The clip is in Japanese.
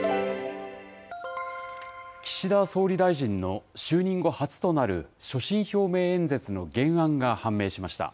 岸田総理大臣の就任後初となる所信表明演説の原案が判明しました。